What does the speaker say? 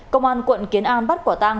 công an quận kiến an bắt quả tang